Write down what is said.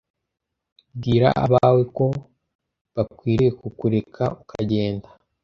bwira abawe ko bakwiriye kukureka ukagenda